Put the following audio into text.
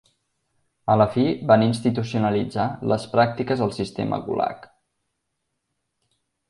A la fi van institucionalitzar las pràctiques al sistema Gulag.